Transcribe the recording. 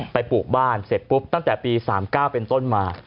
ปลูกบ้านเสร็จปุ๊บตั้งแต่ปี๓๙เป็นต้นมา